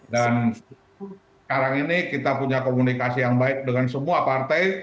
dan sekarang ini kita punya komunikasi yang baik dengan semua partai